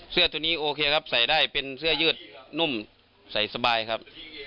เสื้อตัวนี้โอเคครับใส่ได้เป็นเสื้อยืดนุ่มใส่สบายครับ